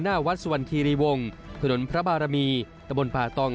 หน้าวัดสวรรคีรีวงศ์ถนนพระบารมีตะบนป่าตอง